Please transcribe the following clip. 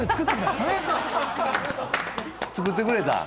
作ってくれたん？